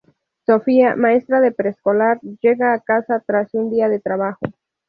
Sofía, maestra de preescolar, llega a casa tras un día de trabajo.